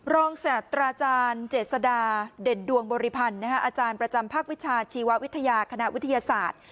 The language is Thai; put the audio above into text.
ศาสตราจารย์เจษดาเด่นดวงบริพันธ์อาจารย์ประจำภาควิชาชีววิทยาคณะวิทยาศาสตร์